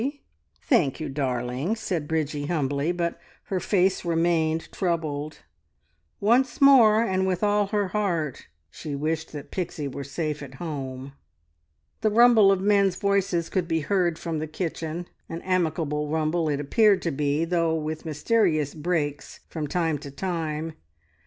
"Thank you, darling," said Bridgie humbly, but her face remained troubled. Once more, and with all her heart, she wished that Pixie were safe at home. The rumble of men's voices could be heard from the kitchen an amicable rumble it appeared to be, though with mysterious breaks from time to time.